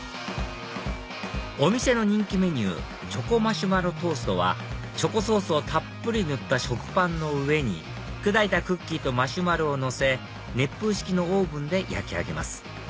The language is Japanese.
お店の人気メニューチョコマシュマロトーストはチョコソースをたっぷり塗った食パンの上に砕いたクッキーとマシュマロをのせ熱風式のオーブンで焼き上げます